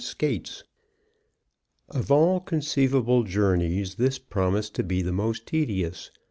CHAPTER V. Of all conceivable journeys, this promised to be the most tedious.